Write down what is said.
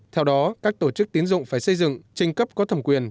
theo đó các tổ chức tiến dụng phải xây dựng trình cấp có thẩm quyền